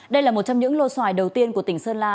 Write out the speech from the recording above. đây là một trong những lô xoài đầu tiên của tỉnh sơn la